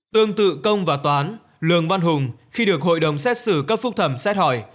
tương tự công và toán lường văn hùng khi được hội đồng xét xử cấp phúc thẩm xét hỏi